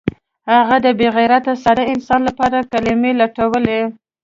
هغه د بې غیرته ساده انسان لپاره کلمې لټولې